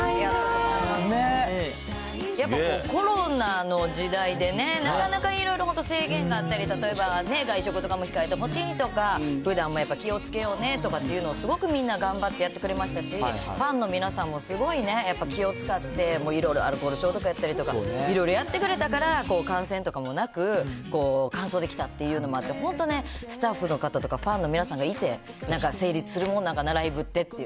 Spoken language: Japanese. やっぱコロナの時代でね、なかなかいろいろ、本当、制限があったり、例えば外食とかも控えてほしいとか、ふだんもやっぱり気をつけようねっていうのをすごくみんな頑張ってやってくれましたし、ファンの皆さんもすごいね、やっぱ気を遣って、もう、いろいろアルコール消毒やったりとか、いろいろやってくれたから、感染とかもなく、完走できたっていうのもあって、本当ね、スタッフの方とか、ファンの皆さんがいて、なんか成立するもんなんやな、ライブってって。